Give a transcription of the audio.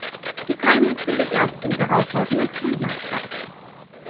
Die Keimung findet erst im darauffolgenden Frühjahr statt.